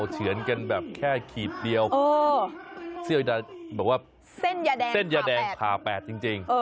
เฉียนกันแบบแค่ขีดเดียวเส้นยาแดงผ่าแปดจริง